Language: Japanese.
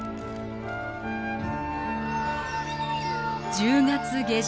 １０月下旬。